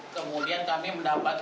kemudian kami mendapatkan